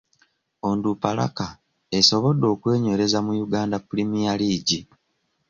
Onduparaka esobodde okwenyereza mu Uganda premier league.